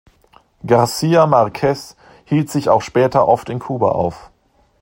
García Márquez hielt sich auch später oft in Kuba auf.